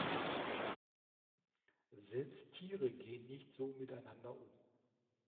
Selbst Tiere gehen nicht so miteinander um.